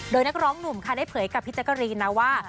โดยนักร้องหนุ่มค่ะได้เผยกับพี่แจ๊กกะรีนนะว่า